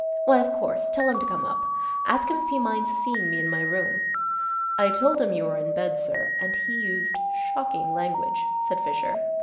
"Why, of course. Tell him to come up. Ask him if he minds seeing me in my room." "I told him you were in bed, sir, and he used shocking language," said Fisher.